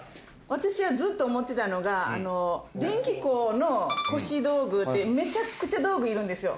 私はずっと思ってたのが電気工の腰道具ってめちゃくちゃ道具いるんですよ。